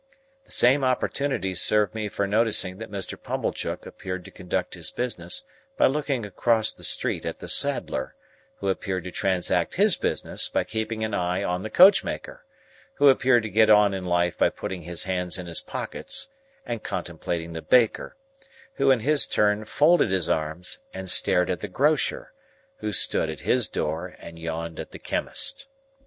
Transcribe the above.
The same opportunity served me for noticing that Mr. Pumblechook appeared to conduct his business by looking across the street at the saddler, who appeared to transact his business by keeping his eye on the coachmaker, who appeared to get on in life by putting his hands in his pockets and contemplating the baker, who in his turn folded his arms and stared at the grocer, who stood at his door and yawned at the chemist.